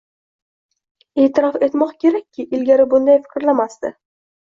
E'tirof etmoq kerakki, ilgari bunday fikrlamasdi.